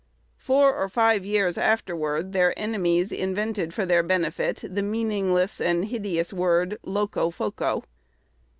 Four or five years afterward their enemies invented for their benefit the meaningless and hideous word "Locofoco."